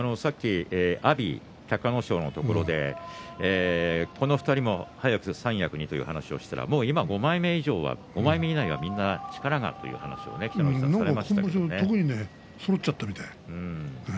阿炎と隆の勝のところでこの２人も早く三役にという話をしたんですが今、５枚目以内はみんな力がという話がありましたね。